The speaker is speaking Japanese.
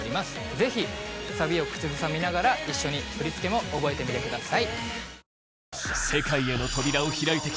ぜひサビを口ずさみながら一緒に振り付けも覚えてみてください。